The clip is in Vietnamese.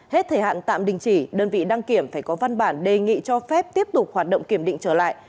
hết thời hạn tạm đình chỉ đơn vị đăng kiểm phải có văn bản đề nghị cho phép tiếp tục hoạt động kiểm định trở lại